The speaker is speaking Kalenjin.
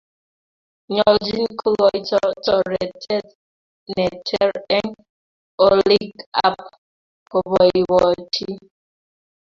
Nyoljin kogoito toretet ne ter eng olik ak koboibochi